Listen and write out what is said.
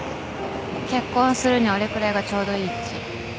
結婚するには俺くらいがちょうどいいっち。